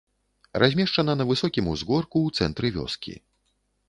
Размешчана на высокім узгорку ў цэнтры вёскі.